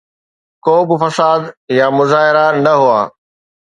ڪو به فساد يا مظاهرا نه هئا.